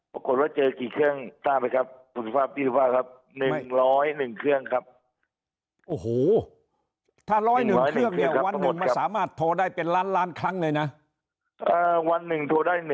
ปรากฏว่าเจอกี่เครื่องตามเลยครับสุทธิภาพพี่สุทธิภาพครับ๑๐๑เครื่องครับ